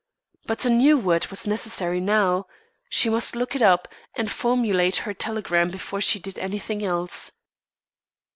But a new word was necessary now. She must look it up, and formulate her telegram before she did anything else.